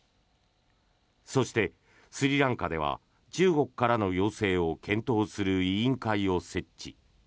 そして、スリランカでは中国からの要請を検討する委員会を設置。